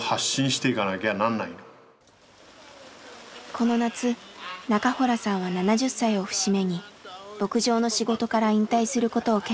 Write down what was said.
この夏中洞さんは７０歳を節目に牧場の仕事から引退することを決意。